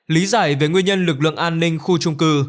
lý giải về nguyên nhân lực lượng an ninh khu trung cư